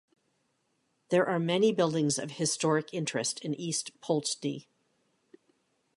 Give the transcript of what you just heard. There are many buildings of historic interest in East Poultney.